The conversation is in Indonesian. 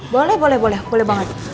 boleh boleh boleh